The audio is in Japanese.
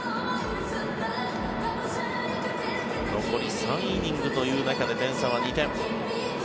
残り３イニングという中で点差は２点。